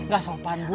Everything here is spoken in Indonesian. gak sopan bu